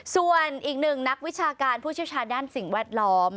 ส่วนอีกหนึ่งนักวิชาการผู้เชี่ยวชาญด้านสิ่งแวดล้อม